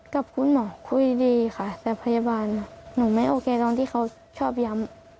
กับคุณหมอคุยดีค่ะแต่พยาบาลหนูไม่โอเคตอนที่เขาชอบย้ำ